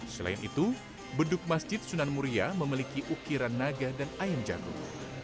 selain itu beduk masjid sunan muria memiliki ukiran naga dan ayam jagung